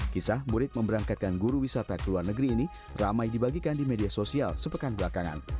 kisah murid memberangkatkan guru wisata ke luar negeri ini ramai dibagikan di media sosial sepekan belakangan